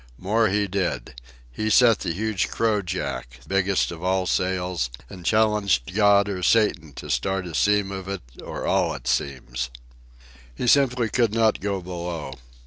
More he did. He set the huge crojack, biggest of all sails, and challenged God or Satan to start a seam of it or all its seams. He simply could not go below.